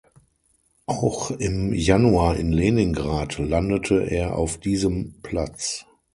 Auch im Januar in Leningrad landete er auf diesem Platz.